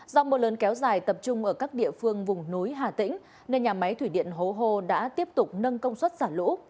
do mùa lớn kéo dài tập trung ở các địa phương vùng núi hà tĩnh nơi nhà máy thủy điện hồ hồ đã tiếp tục nâng công suất giả lũ